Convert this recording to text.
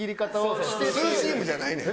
「スーシーム」じゃないねん。